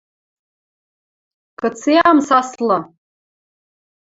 – Кыце ам саслы!